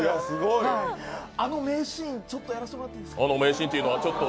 あの名シーン、やらせてもらっていいですか？